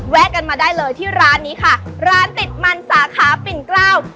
กันมาได้เลยที่ร้านนี้ค่ะร้านติดมันสาขาปิ่นเกล้า